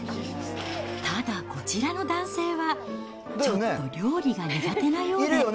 ただ、こちらの男性は、ちょっと料理が苦手なようで。